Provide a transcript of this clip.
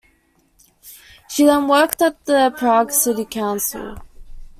She then worked at the Prague City Council.